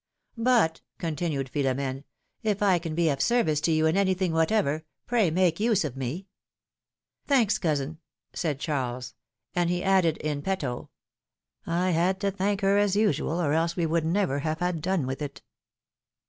'^ ^^But,'^ continued Philom^ne, ^^if I can be of service to you in anything whatever, pray make use of ine.'^ Thanks, cousin,'' said Charles. And he added in petto: had to thank her as usual, or else we would never have had done with it